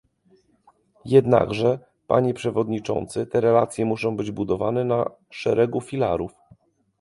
Jednakże, panie przewodniczący, te relacje muszą być budowane na szeregu filarów